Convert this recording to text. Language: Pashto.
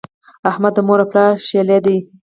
احمد د مور او پلار ښهلی دی.